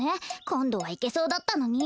こんどはいけそうだったのに。